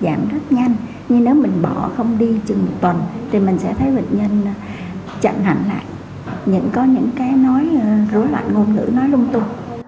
giảm rất nhanh nhưng nếu mình bỏ không đi chừng một tuần thì mình sẽ thấy bệnh nhân chặn hạnh lại có những cái nói rối loạn ngôn ngữ nói lung tung